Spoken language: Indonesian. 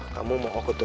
kamu mau kukutuk